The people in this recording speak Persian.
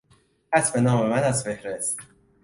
حذف نام من از فهرست